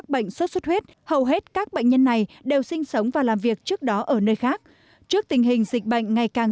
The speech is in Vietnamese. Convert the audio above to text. trong thời gian này đều sinh sống và làm việc trước đó ở nơi khác trước tình hình dịch bệnh ngày càng